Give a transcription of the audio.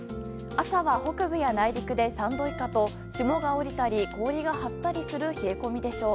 朝は北部や内陸で３度以下と霜が降りたり氷が張ったりする冷え込みでしょう。